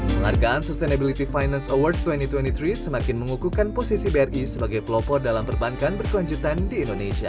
penghargaan sustainability finance awards dua ribu dua puluh tiga semakin mengukuhkan posisi bri sebagai pelopor dalam perbankan berkelanjutan di indonesia